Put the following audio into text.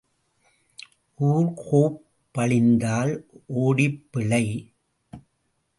ஊர் கோப்பழிந்தால் ஓடிப் பிழை.